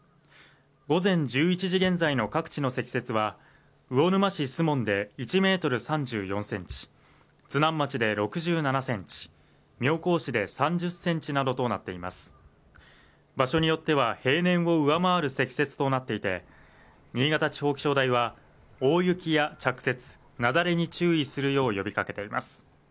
午前１１時現在の各地の積雪は魚沼市守門で１ｍ３４ｃｍ津南町で６７ｃｍ妙高市で３０ｃｍなどとなっています場所によっては平年を上回る積雪となっていて新潟地方気象台は大雪や着雪、雪崩に注意するよう呼びかけています